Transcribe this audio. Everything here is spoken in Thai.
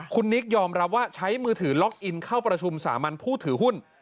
คุณนิกยอมรับว่าใช้มือถือล็อกอินเข้าประชุมสามัญผู้ถือหุ้น